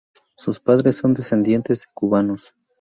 Sus padres son descendientes de cubanos.